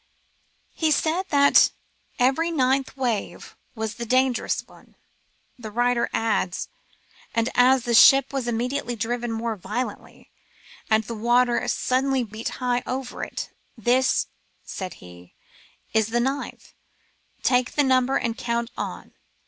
He said that every ninth wave was the dangerous one. The writer adds, And as the ship was immediately driven more violently, and the water suddenly beat high over it, *This,* said he, *is the ninth. Take the number and count on.'